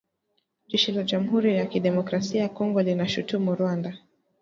Jeshi la Jamhuri ya kidemokrasia ya Kongo linaishutumu Rwanda.